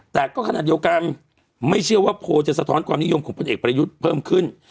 แต่ก็ขนาดเดียวกันไม่เชื่อว่าโพลจะสะท้อนความนิยมของพลเอกประยุทธ์เพิ่มขึ้น